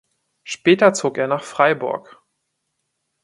Später zog er nach Freiburg.